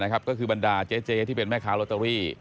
ก็คือบรรดาเจ๊ที่เป็นแม่ค้าลอตเตอรี่